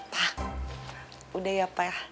pa udah ya pa ya